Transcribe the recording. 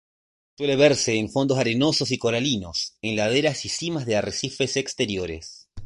Suele verse en fondos arenosos y coralinos, en laderas y simas de arrecifes exteriores.